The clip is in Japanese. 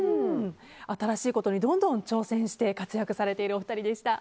新しいことにどんどん挑戦して活躍されているお二人でした。